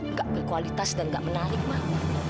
nggak berkualitas dan nggak menarik mah